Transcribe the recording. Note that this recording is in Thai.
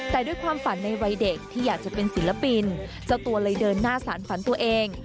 แต่ด้วยความฝันในวัยเด็กที่อยากจะเป็นศิลปินเจ้าตัวเลยเดินหน้าสารฝันตัวเอง